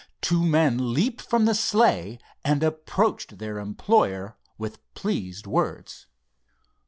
Two men leaped from the sleigh and approached their employer with pleased words.